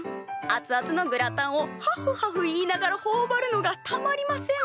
アツアツのグラタンをはふはふ言いながらほおばるのがたまりません！